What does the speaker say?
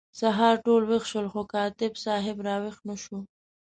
سهار ټول ویښ شول خو کاتب صاحب را ویښ نه شو.